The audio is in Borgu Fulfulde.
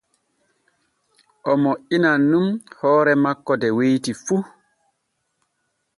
O moƴƴinan nun hoore makko de weeti fu.